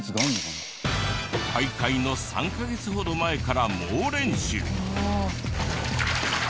大会の３カ月ほど前から猛練習。